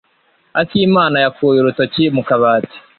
Akimana yakuye urutoki mu kabati.